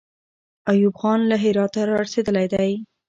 ایوب خان له هراته را رسېدلی دی.